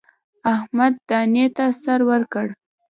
احمد دانې ته سر ورکړ.